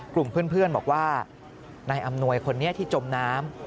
กลุ่มเพื่อนบอกว่านายอำนวยคนนี้ที่จมน้ำ